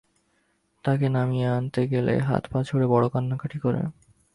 তাকে নামিয়ে আনতে গেলেই হাত-পা ছুঁড়ে বড় কান্নাকাটি করে।